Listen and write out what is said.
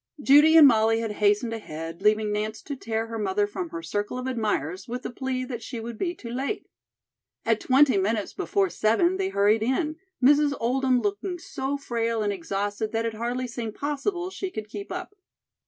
Judy and Molly had hastened ahead, leaving Nance to tear her mother from her circle of admirers with the plea that she would be too late. At twenty minutes before seven they hurried in, Mrs. Oldham looking so frail and exhausted that it hardly seemed possible she could keep up.